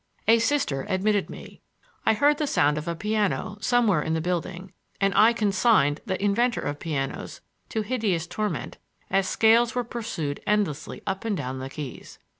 A Sister admitted me. I heard the sound of a piano, somewhere in the building, and I consigned the inventor of pianos to hideous torment as scales were pursued endlessly up and down the keys.